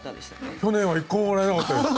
去年は１個ももらえなかったです。